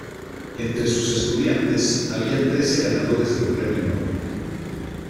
Entre sus estudiantes había trece ganadores del Premio Nobel.